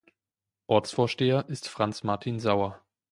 Ortsvorsteher ist Franz-Martin Sauer.